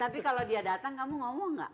tapi kalau dia datang kamu ngomong nggak